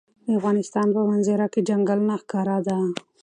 د افغانستان په منظره کې چنګلونه ښکاره ده.